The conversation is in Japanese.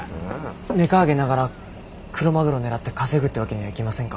メカ揚げながらクロマグロ狙って稼ぐってわけにはいきませんか？